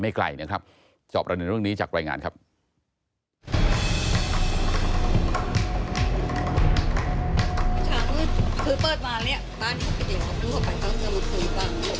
เมื่อเช้ามืดคือเปิดวานเนี่ยบ้านที่เขาเป็นเด็กเขาก็ไปทั้งเมื่อเมื่อคืนบ้าง